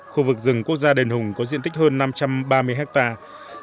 khu vực rừng quốc gia đền hùng có diện tích hơn năm trăm ba mươi hectare